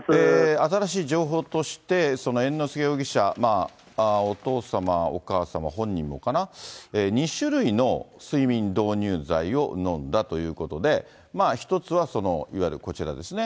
新しい情報として、猿之助容疑者、お父様、お母様、本人もかな、２種類の睡眠導入剤を飲んだということで、１つはいわゆるこちらですね。